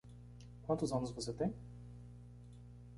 Quantos anos você tem?